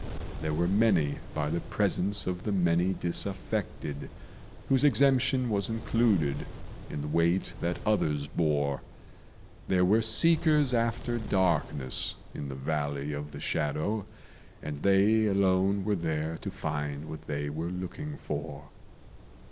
There were many by the presence of the many disaffected, Whose exemption was included in the weight that others bore: There were seekers after darkness in the Valley of the Shadow, And they alone were there to find what they were looking for.